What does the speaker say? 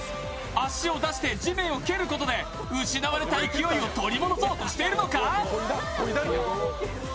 足を出して地面を蹴ることで失われた勢いを取り戻そうしているのか？